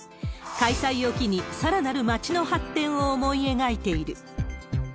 開催を機に、さらなる街の発展を思い描いている。